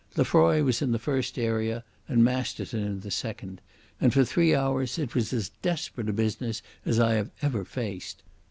Lefroy was in the first area, and Masterton in the second, and for three hours it was as desperate a business as I have ever faced....